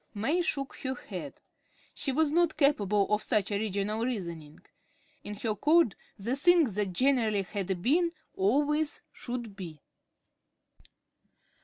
May shook her head. She was not capable of such original reasoning. In her code the thing that generally had been always should be.